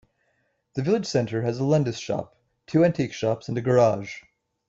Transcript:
The village centre has a Londis shop, two antiques shops and a garage.